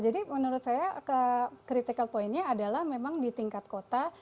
jadi menurut saya kritikal poinnya adalah memang di tingkat kota